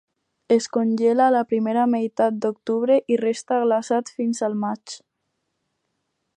Es congela a la primera meitat d'octubre i resta glaçat fins al maig.